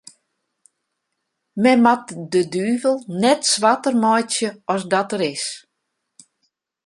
Men moat de duvel net swarter meitsje as dat er is.